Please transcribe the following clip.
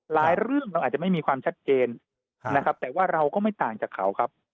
เรื่องเราอาจจะไม่มีความชัดเจนนะครับแต่ว่าเราก็ไม่ต่างจากเขาครับ